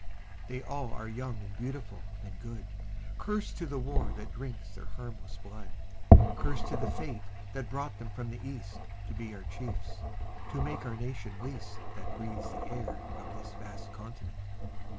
They all are young and beautiful and good; Curse to the war that drinks their harmless blood. Curse to the fate that brought them from the East To be our chiefs to make our nation least That breathes the air of this vast continent.